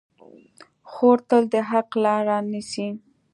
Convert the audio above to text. خور تل د حق لاره نیسي.